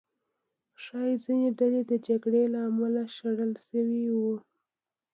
ښایي ځینې ډلې د جګړې له امله شړل شوي وو.